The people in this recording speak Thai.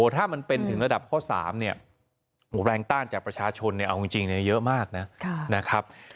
ถ้ามันเป็นถึงระดับข้อ๓เนี่ยแรงต้านจากประชาชนเนี่ยเอาจริงเยอะมากนะครับ